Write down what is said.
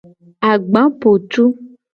Agbapotu.